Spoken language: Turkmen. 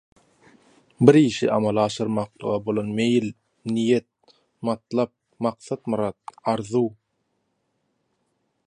Bir işi amala aşyrmaklyga bolan meýil, niýet, matlap, maksat-myrat, arzuw.